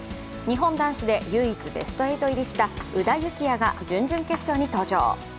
日本男子で唯一ベスト８入りした宇田幸矢が準々決勝に登場。